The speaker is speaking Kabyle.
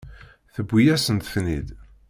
Tewwi-yasent-ten-id.